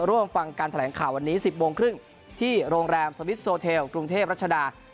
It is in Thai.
ร่วมฟังการแถลงข่าววันนี้๑๐โมงครึ่งที่โรงแรมสมิทโซเทลกรุงเทพรัชดา